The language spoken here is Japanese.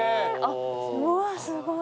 うわすごい。